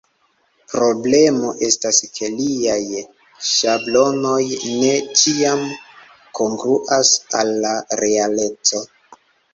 Problemo estas ke liaj ŝablonoj ne ĉiam kongruas al la realeco.